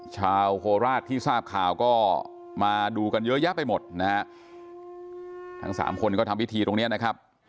ชาวโคราชที่ทราบข่าวก็มาดูกันเยอะแยะไปหมดนะฮะทั้งสามคนก็ทำพิธีตรงเนี้ยนะครับ